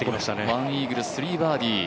１イーグル、３バーディー。